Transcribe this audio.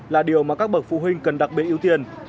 là điều mà các bậc phụ huynh cần đặc biệt ưu tiên